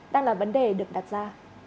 đang là vấn đề được đặt ra